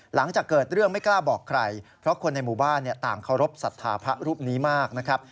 หลังจากเกิดเรื่องไม่กล้าบอกใครเพราะคนในหมู่บ้านต่างเคารพสัทธาพระรูปนี้มากนะครับ